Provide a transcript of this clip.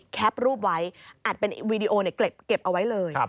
แปปรูปไว้อัดเป็นวีดีโอเนี่ยเก็บเอาไว้เลย